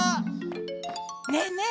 ねえねえ